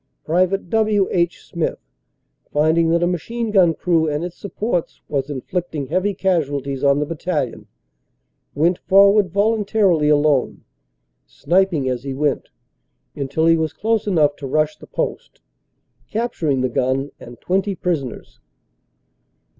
Pte. W. H. Smith, finding that a machine gun crew and its supports was inflicting heavy casualties on the Battalion, went forward voluntarily alone, sniping as he went, until he was close enough to rush the post, capturing the gun and 20 prisoners.